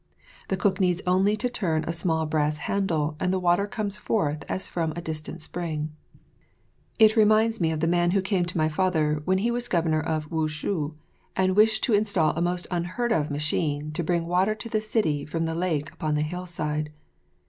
The cook needs only to turn a small brass handle, and the water comes forth as from a distant spring. It reminds me of the man who came to my father, when he was governor of Wuseh, and wished to install a most unheard of machine to bring water to the city from the lake upon the hillside.